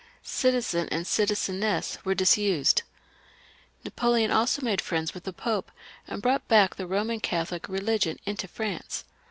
Citizen and citizeness were left off. Napoleon also made friends with the Pope, and brought back the Roman Catholic religion into France.